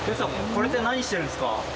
これって何してるんですか？